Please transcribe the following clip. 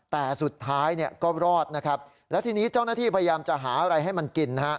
แต่สุดท้ายก็รอดนะครับแล้วทีนี้เจ้าหน้าที่พยายามจะหาอะไรให้มันกินนะฮะ